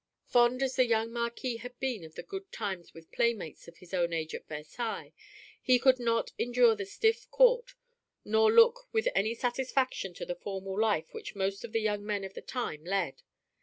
Fond as the young Marquis had been of the good times with playmates of his own age at Versailles, he could not endure the stiff court nor look with any satisfaction to the formal life which most of the young men of the time led.